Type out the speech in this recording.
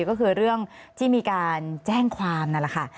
ก็คือเรื่องที่มีการแจ้งความนั่นแหละค่ะ